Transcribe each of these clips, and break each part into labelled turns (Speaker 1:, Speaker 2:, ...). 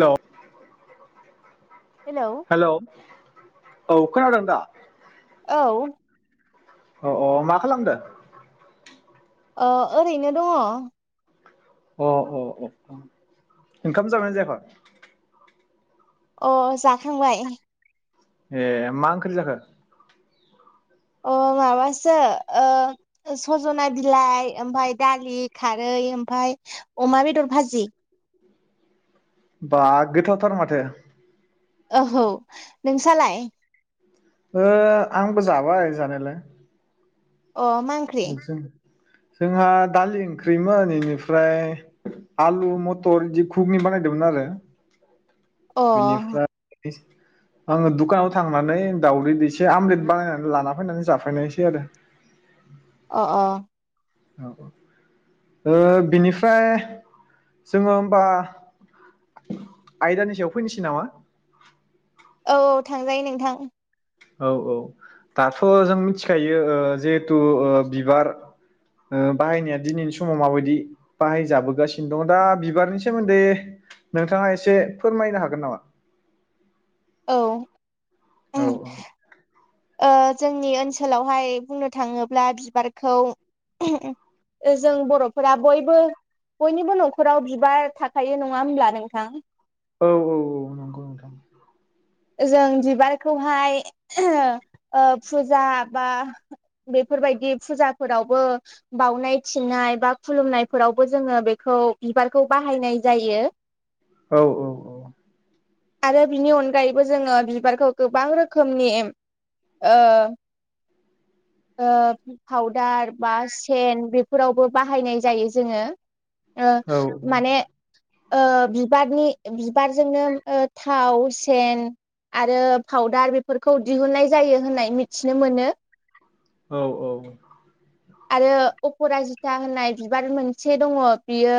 Speaker 1: Hello. Hello. औ खोनादों दा?
Speaker 2: औ
Speaker 1: अ अ मा खालामदों?
Speaker 2: औ ओरैनो दङ।
Speaker 1: अ अ अ ओंखाम जागोनना जायाख?
Speaker 2: अ जाखांबाय।
Speaker 1: ए मा ओंख्रि जाखो?
Speaker 2: अ माबासो ओ सजना बिलाइ ओमफाय दालि खारै ओमफाय अमा बेदर भाजि।
Speaker 1: बा गोथाव थार माथो।
Speaker 2: औह नोंसालाय?
Speaker 1: ओ आंबो जाबाय जानायालाय।
Speaker 2: अ मांख्रि?
Speaker 1: जों जोंहा दालि ओंख्रिमोन इनिफ्राय आलु मथर इदि कुगनि बानायदोंमोन आरो।
Speaker 2: अ।
Speaker 1: बिनिफ्राय आङो दुखानाव थांनानै दावदै दैसे आमलेट बानायनानै लाना फैनानै जाफैनायसै आरो।
Speaker 2: अ अ।
Speaker 1: औ औ ओ बिनिफ्राय जोङो होमबा आयदानि सायाव फैनोसै नामा
Speaker 2: औ औ थांजायो नोंथां।
Speaker 1: औ औ दाथ जों मिथिखायो ओ जिहेथु ओ बिबार ओ बाहायनाया दिनैनि समाव माबायदि बाहायजाबोगासिनो दं दा बिबारनि सोमोन्दै नोंथाङा एसे फोरमायनो हागोन नामा?
Speaker 2: औ।
Speaker 1: औ
Speaker 2: उम
Speaker 1: औ।
Speaker 2: ओ जोंनि ओनसोलावहाय बुंनो थाङोब्ला बिबारखौ जों बरफोरा बयबो बयनिबो नखराव बिबार थाखायो नङा होमब्ला नोंथां।
Speaker 1: औ औ औ नंगौ नोंथां।
Speaker 2: जों बिबारखौहाय ओ फुजा बा बेफोरबायदि फुजाफोरावबो बाउनाय थिनाय बा खुलुमनायफोरावबो जोङो बेखौ बिबारखौ बाहायनाय जायो।
Speaker 1: औ औ औ।
Speaker 2: आरो बिनि अन गायैबो जोङो बिबारखौ गोबां रोखोमनि ओ ओ पावदार बा सेन बेफोरावबो बाहायनाय जायो जोङो। ओ
Speaker 1: औ
Speaker 2: माने ओ बिबारनि बिबारजोंनो ओ थावस स सेन आरो फाउदार बेफोरखौ दिहुननाय जायो होननाय मिथिनो मोनो।
Speaker 1: औ औ।
Speaker 2: आरो अपराजिता होननाय बिबार मोनसे दङ बियो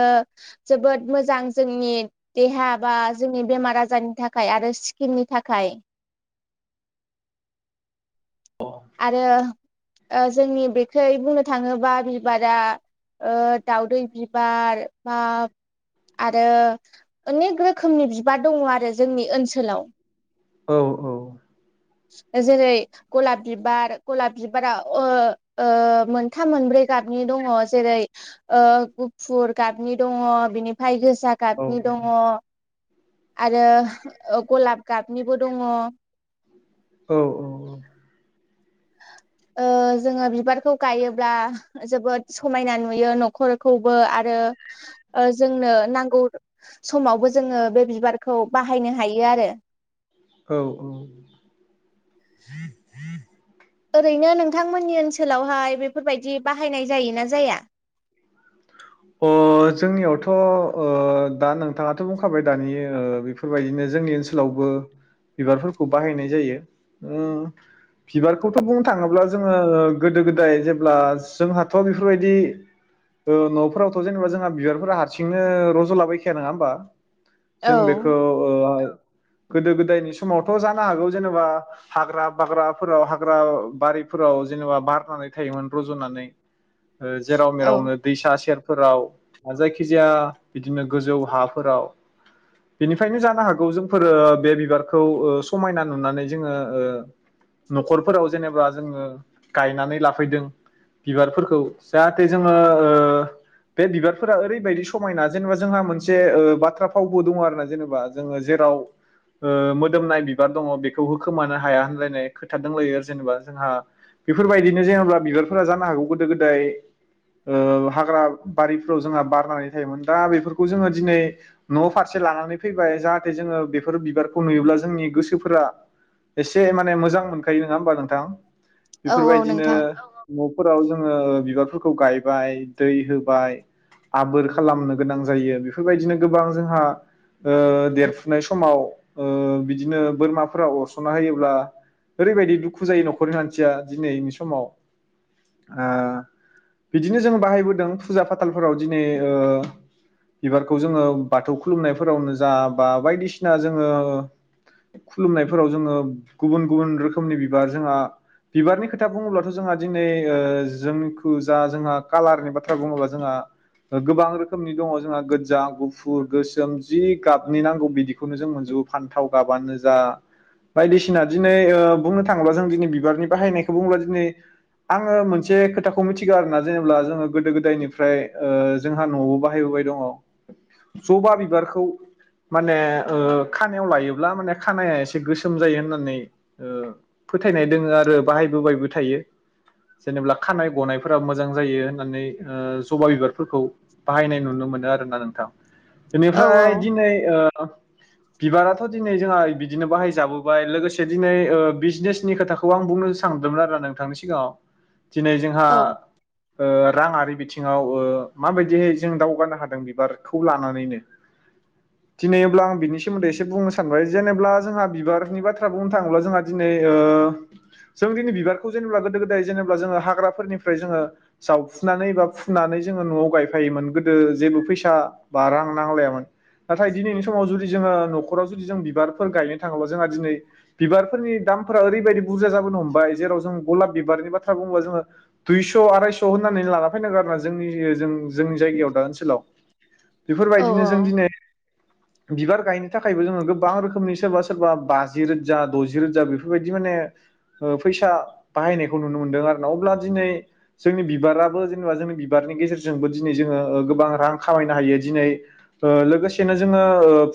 Speaker 2: जोबोद मोजां जोंनि देहा बा जोंनि बेमार आजारनि थाखाय आरो सिक्किननि थाखाय। आरो। ओ जोंनि बेखै बुंनो थाङोबा बिबारा ओ दाउदै बिबार। बा आरो अनेक रोखोमनि बिबार दङ आरो जोंनि ओनसोलाव।
Speaker 1: औ औ
Speaker 2: जेरै गलाब बिबार गलाब बिबारा ओ ओ मोनथाम मोनब्रै गाबनि दङ जेरै ओ गुफुर गाबनि दङ बिनिफ्राय गोज फिसा गाबनि दङ। आरो ओ गलाब गाबनिबो दङ
Speaker 1: औ औ औ
Speaker 2: ओ जोङो बिबारखौ गायोब्ला जोबोद समायना नुयो नखरखौबो आरो ओ जोंनो नांगौ समावबो जोङो बे बिबारखौ बाहायनो हायो आरो
Speaker 1: औ औ।
Speaker 2: [inaudible] ओरैनो नोंथांमोननि ओनसोलावहाय बेफोरबायदि बाहायनाय जायोना जाया
Speaker 1: अ जोंनियावथ ओ दा नोंथांङाथ बुंखाबाय दानि ओ बेफोरबायदिनो जोंनि ओनसोलावबो बिबारफोरखौ बाहायनाय जायो ओम बिबारखौथ बुंनो थाङोब्ला जोङो गोदो गोदाय जेब्ला जोंहाथ बेफोरबायदि। ओ न'फोरावथ' जेनेबा जोंहा बिबारफोरा हारसिंनो रजलाबायखाया नङा होमबा जों बेखौ
Speaker 2: औ
Speaker 1: ओ गोदो गोदायनि समावथ जानो हागौ जेनेबा हाग्रा बाग्राफोराव हाग्रा बारिफोराव जेनेबा बारनानै थायोमोन रजनानै ओ जेराव
Speaker 2: औ
Speaker 1: मेरावनो दैसा सेरफोराव जायखिजाया बिदिनो गोजौ हाफोराव बेनिफ्रायनो जानो हागौ जोंफोरो बे बिबारखौ ओ समायना नुनानै जोङो ओ नखरफोराव जेनेबा जोङो गायनानै लाफैदों बिबारफोरखौ जाहाथे जोङो ओ बे बिबारफोरा ओरैबायदि समायना जेनेबा जोंहा मोनसे ओ बाथ्रा फावबो दङ आरोना जेनेबा जोङो जेराव ओ मोदोमनाय बिबार दङ बे। थेवबो खोमानो हाया होनलायनाय खोथा दोंलायो आर। जेनेबा जोंहा बेफोरबायदिनो जायाब्ला बिबारफोरा जानो हागौ गोदो गोदाय ओ हाग्रा बारिफ्राव जोंहा बारनानै थायोमोन दा बेफोरखौ जोङो दिनै न' फारसे लानानै फैबाय जाहाथे जोङो बेफोर बिबार खौ नुयोब्ला जोंनि गोसोफोरा। एसे माने मोजां मोनखायो नङा होमबा नों दां
Speaker 2: औ औ
Speaker 1: बेफोरबायदिनो
Speaker 2: नोंथां
Speaker 1: फोराव जोङो बिबारफोरखौ गाय बाय दै होबाय आबोर खालामनो गोनां जायो बेफोरबायदिनो गोबां जोंहा ओ देरफुनाय समाव ओ बिदिनो बोरमाफोरा अरसनना होयोब्ला ओरैबायदि दुखु जायो नखरनि मानसिया दिनैनि समाव आ बिदिनो जों बाहायबोदों फुजा फाथालफोराव दिनै ओ बिबारखौ जोङो बाथौ खुलुमनायफोरावनो जा बा बायदिसिना जोङो खुलुमनायफोराव जोङो गुबुन गुबुन रोखोमनि बिबार जोंहा बिबारनि खोथा बुङोब्लाथ जोंहा दिनै ओ जोंखो दा जोंहा कालारनि बाथ्रा बुङोबा जोंहा गोबां रोखोमनि दङ जोंहा गोजा गुफुर गोसोम जि गाबनि नांगौ बिदिखौनो जों मोनजोबो फान्थाव गाबानो जाअ बायदिसिना दिनै बुंनो थाङोब्ला जों दिनै बिबारनि बाहायनायखौ बुङोब्ला दिनै आङो मोनसे खोथाखौ सिगां जेनब्ला जोङो गोदो गोदायनिफ्राय जोंहा नआव बाहायबोबाय दङ जबा बिबारखौ माने ओ खानायाव लायोब्ला माने खानाया एसे गोसोम जायो होननानै ओ फोथायनाय दोंङो आरो बाहायबोबायबो थायो जेनब्ला खानाय गनाय फोरा मोजां जायो होननानै ओ जबा बिबारफोरखौ बाहायनाय नुनो मोनो आरो ना नोंथां ।
Speaker 2: औ
Speaker 1: बेनिफ्राय
Speaker 2: औ
Speaker 1: दिनै ओ ओह बिबाराथ' दिनै जोंहा बिदिनो बाहाय जाबोबाय लोगोसे दिनै ओ बिजनेसनि खोथाखौ आं बुंनो सानदोंमोन आरो नोंथांनि सिगाङाव दिनै जोंहा
Speaker 2: औ
Speaker 1: ओ राङारि बिथिङाव ओ माबायदिहै जों दावगानो हादों बिबारखौ लानानैनो दिनै अब्ला आं बिनि सोमोन्दै एसे बुंनो सानबाय जेनेब्ला जोंहा बिबारनि बाथ्रा बुंनो थाङोब्ला जोंहा दिनै ओ जों दिनै बिबारखौ जेनेबा गोदो गोदाय जेनेबा जोङो हाग्राफोरनि। निफ्राय जोङो जावफुनानै बा फुनानै जोङो न'आव गायफायोमोन गोदो जेबो फैसा बा रां नांलायामोन नाथाय दिनैनि समाव जुदि जोङो न'खराव जुदि जों बिबारफोर गायनो थाङोब्ला जोंहा दिनै बिबारफोरनि दामफोरा ओरैबायदि बुरजा जाबोनो हमबाय जेराव जों गलाब बिबारनि बाथ्रा बुङोबा जोङो दुइस' आरायस' होननानै लाना फैनांगोन आरोना जोंनि जों जोंनि जायगायाव दा ओनसोलाव
Speaker 2: औ
Speaker 1: बेफोरबायदिनो जों दिनै बिबार गायनो थाखायबो जोङो गोबां रोखोमनि सोरबा सोरबा बाजि रोजा दजि रोजा बेफोरबायदि माने ओ फैसा बाहायनायखौ नुनो मोनदों आरो ना अब्ला दिनै जोंनि बिबाराबो जेनेबा जोंनि बिबारनि गेजेरजोंबो दिनै जोङो ओ गोबां रां खामायनो हायो दिनै ओ लोगोसेनो जोङो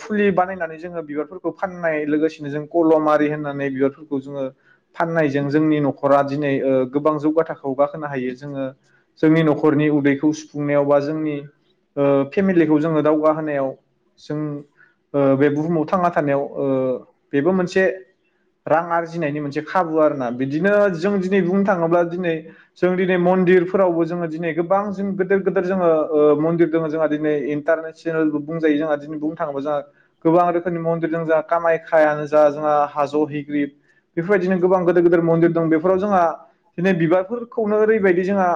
Speaker 1: फुलि बानायनानै जोङो बिबारफोरखौ फाननाय लोगोसेनो जों कलम आरि होननानै बिबारफोरखौ जोङो फाननायजों जोंनि नखरा दिनै ओ गोबां जौगा थाख। खौ गाखोनो हायो जोङो जोंनि नखरनि उदैखौ सुफुंनायाव बा जोंनि ओ फेमिलिखौ जोङो दावगाहोनायाव जों। ओ बे बुहुमाव थांना थानायाव ओ बेबो मोनसे रां आरजिनायनि मोनसे खाबु आरोना बिदिनो जों दिनै बुंनो थाङोब्ला दिनै जों दिनै मन्दिरफोरावबो जोङो दिनै गोबां गोदोर गोदोर जोङो ओ मन्दिर दङ जोंहा दिनै इन्टारनेसनेलबो बुंजायो जोंहा दिनै बुंनो थाङोबा जोंहा गोबां रोखोमनि मन्दिर दोङो जोंहा कामायखायानो जा जोंहा हाज हैग्रिब बेफोरबायदिनो गोबांद गो गिदिर गेदिर मन्दिर दं बेफोराव जोंहा दिनै बिबारफोर नो ओरैबायदि जोंहा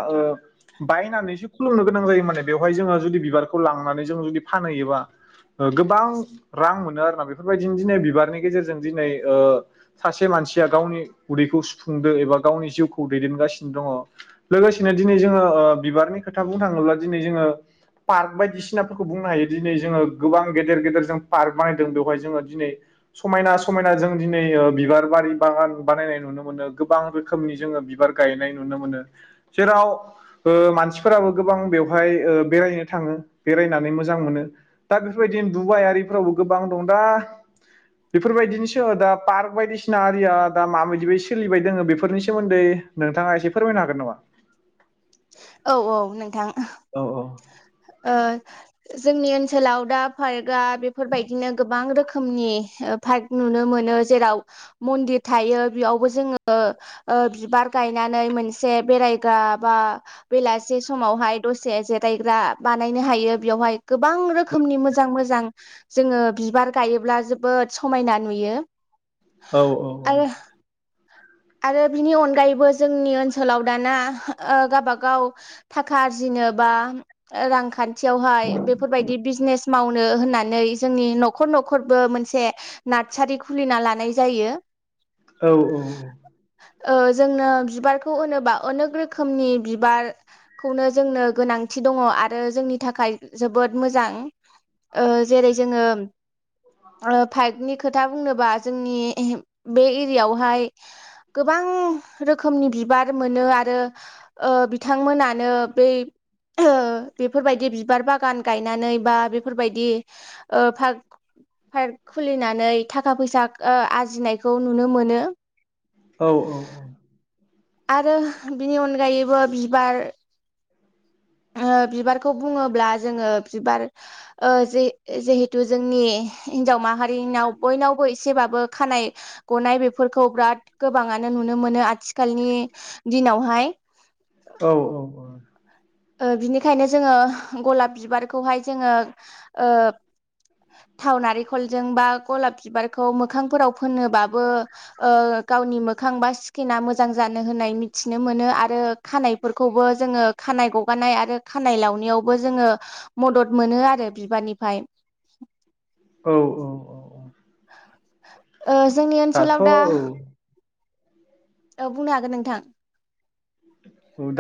Speaker 1: बायनानैसो खुलुमनो गोनां जायो माने बेवहाय जोङो। जुदि बिबारखौ लांनानै जों जुदि फानहैयोबा गोबां रां मोनो आरोना बे बेफोरबायदिनो दिनै बिबारनि गेजेरजों दिनै ओ सासे मानसिया गावनि उदैखौ सुफुंदो एबा गावनि जिउखौ दैदेनगासिनो। दङ लोगोसेनो दिनै जोङो ओ बिबारनि खोथा बुंनो थाङोब्ला दिनै जोङो पार्क बायदिसिनाफोरखौ बुंनो हायो दिनै जोङो गोबां गेदेर गेदेर जों पार्क बानायदों बेवहाय जोङो दिनै समायना समायना जों दिनै बिबार बारि बागान बानायनाय नुनो मोनो गोबां रोखोमनि जोङो बिबार गायनाय नुनो मोनो जेराव ओ मानसिफोराबो गोबां बेवहाय बेरायनो थाङो बेरायनानै मोजां मोनो दा बेफोरबायदिनो दुबाइ आरिफोरावबो गोबां दं दा बेफोरबायदिनोसो दा पार्क बायदिसिना आरिया दा माबायदि बादि सोलिबाय दोङो बेफोरनि सोमोन्दै नोंथाङा एसे फोरमायनो हागोन नामा?
Speaker 2: औ-औ नोंथां।
Speaker 1: औ
Speaker 2: ओह जोंनि ओनसोलाव दा पार्कआ बेफोरबायदिनो गोबां रोखोमनि पार्क नुनो मोनो जेराव मन्दिर थायो बेयावबो जोङो ओ बिबार गायनानै मोनसे बेरायग्रा बा बेलासे समावहाय दसे जिरायग्रा बानायनो हायो बेयावहाय गोबां रोखोमनि मोजां मोजां जोङो बिबार गायोब्ला जोबोद समायना नुयो।
Speaker 1: औ-औ-औ।
Speaker 2: आरो आरो बिनि अनगायैबो जोंनि ओनसोलाव दाना ओ गावबागाव थाखा आरजिनो बा रांखान् खाथियावहाय बेफोरबायदि बिजनेस मावनो होननानै जोंनि न'खर न'खरबो मोनसे नारसारि खुलिना लानाय जायो।
Speaker 1: औ-औ-औ।
Speaker 2: ओ जोंनो बिबारखौ होनोबा अनेक रोखोमनि बिबारखौनो जोंनो गोनांथि दङ आरो जोंनि थाखाय जोबोद मोजां ओ जेरै जोङो पाइकनि खोथा बुंनोबा जोंनि बे एरियायावहाय गोबां रोखोमनि बिबार मोनो आरो ओ बिथांमोनानो बै बेफोरबायदि बिबार बागान गायनानै बा बेफोरबायदि पार्क पार्क खुलिनानै थाखा फैसा आरजिनायखौ नुनो मोनो।
Speaker 1: औ औ औ
Speaker 2: आरो बिनि अनगायैबो बिबार ओ बिबारखौ बुङोब्ला जोङो बिबार ओ जिहेथु जोंनि हिन्जाव माहारिनाव बयनावबो एसेबाबो खानाय गनाय बेफोरखौ बिराद गोबाङानो नुनो मोनो आथिखालनि दिनावहाय।
Speaker 1: औ-औ-औ।
Speaker 2: बिनिखायनो जोङो गलाब बिबारखौहाय जोङो ओ थाव नारिेंखलजों बा गलाब बिबारखौ मोखांफोराव फोनोबाबो ओ गावनि मोखां बा स्किना मोजां जानो होननाय मिथिनो मोनो आरो खानायफोरखौबो जोङो खानाय गब माबानाय आरो खानाय लावनाययावबो जोङो मदद मोनो आरो बिबारनिफ्राय।
Speaker 1: औ-औ-औ-औ।
Speaker 2: ओ जोंनि
Speaker 1: दाथ'
Speaker 2: ओनसोलाव दा।
Speaker 1: औ
Speaker 2: औ बुंनो हागोन नोंथां।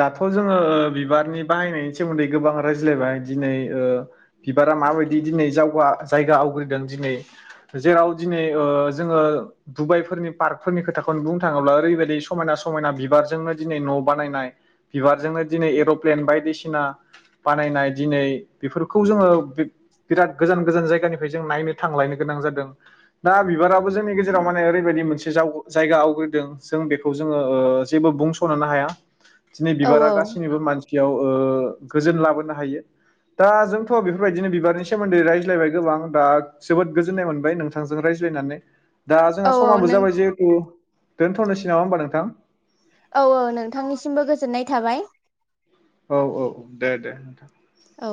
Speaker 1: दाथ जोङो ओ बिबारनि बाहायनायनि सोमोन्दै गोबां रायज्लायबाय दिनै बिबारा माबायदि दिनै जावगा जायगा आवग्रिदों दिनै जेराव दिनै ओ जोङो दुबाइफोरनि पार्कफोरनि खोथाखौनो बुंनो थाङोब्ला ओरैबायदि समायना समायना बिबारजोंनो दिनै न बानायनाय बिबारजोंनो दिनै एर'फ्लेन बायदिसिना बानायनायै बेफोरखौ गोजान गोजान जायगानिफ्राय नायनो थांनो गोनां जादों दा बिबारा जोंनि गेजेराव माने ओैबायदि मोन जावग जायगा आवग्रिदों जों बेखौ जोङो जेबो बुंस नुनो हाया। दिनै
Speaker 2: औ
Speaker 1: बिबारा
Speaker 2: औ
Speaker 1: गासैनिबो मानसि ओ गोजोन लाबोनो हायो दा जोंथ बेखौ बेबायदिनो बिबार सोमोन्दै रायज्लायबाय । गोबां दा जोबोद गोजोन्नाय मोनबाय नोंथांजों रायज्लायनानै। दा
Speaker 2: औ
Speaker 1: जोंहा
Speaker 2: औ
Speaker 1: समाबो
Speaker 2: नों
Speaker 1: जाबाय जिहेथु दोनथ'नोसै नामा होनबा नोंथां?
Speaker 2: औ औ नोंथांनिसिमबो गोज गोजोननाय थाबाय।
Speaker 1: औ औ दे दे नोंथां।
Speaker 2: औ